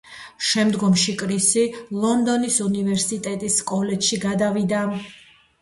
შემდგომში კრისი ლონდონის უნივერსიტეტის კოლეჯში გადავიდა.